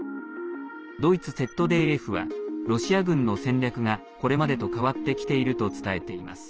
ドイツＺＤＦはロシア軍の戦略がこれまでと変わってきていると伝えています。